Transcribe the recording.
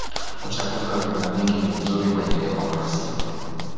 uchaguzi wa vyama vingi ni mzuri kwenye demokrasia